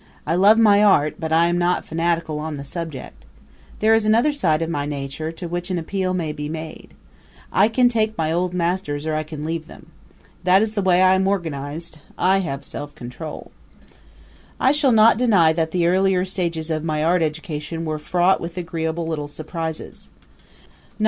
I love my art, but I am not fanatical on the subject. There is another side of my nature to which an appeal may be made. I can take my Old Masters or I can leave them be. That is the way I am organized I have self control. I shall not deny that the earlier stages of my art education were fraught with agreeable little surprises.